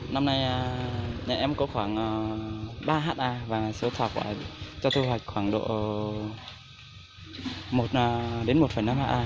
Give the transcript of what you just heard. năm nay nhà em có khoảng ba ha và số thảo quả cho thu hoạch khoảng độ một một năm ha